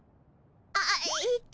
あっえっと